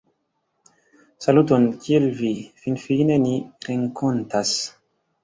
- Saluton! Kiel vi? Finfine ni renkontas-